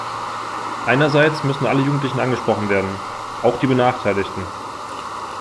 Einerseits müssen alle Jugendlichen angesprochen werden, auch die benachteiligten.